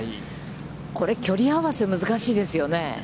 これ、距離合わせ難しいですよね。